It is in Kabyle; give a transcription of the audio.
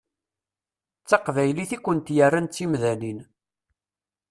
D taqbaylit i kent-yerran d timdanin.